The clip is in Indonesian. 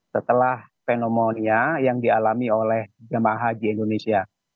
setelah pneumonia yang dialami oleh jemaah haji indonesia